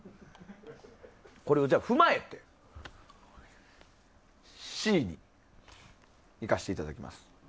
これを踏まえてＣにいかせていただきます。